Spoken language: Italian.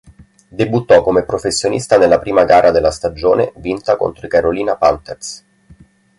Debuttò come professionista nella prima gara della stagione vinta contro i Carolina Panthers.